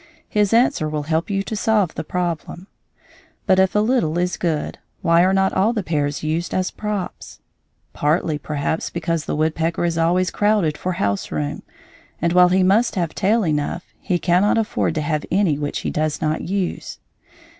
His answer will help you to solve the problem. But if a little is good, why are not all the pairs used as props? Partly, perhaps, because the woodpecker is always crowded for houseroom, and while he must have tail enough, he cannot afford to have any which he does not use.